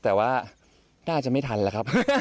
แต่ว่าน่าจะไม่ทันแล้วครับ